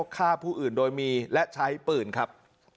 แต่มนุษย์มนุษย์ตำนวน